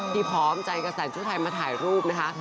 พร้อมใจกับใส่ชุดไทยมาถ่ายรูปนะคะ